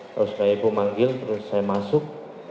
terus kayak ibu manggil terus saya masuk